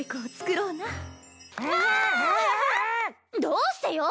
どうしてよ！？